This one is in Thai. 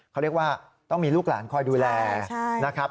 เขาเรียกว่าต้องมีลูกหลานคอยดูแลนะครับ